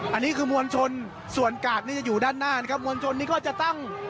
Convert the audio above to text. อันนี้คือมวลชนส่วนกาดนี่จะอยู่ด้านหน้านะครับมวลชนนี้ก็จะตั้ง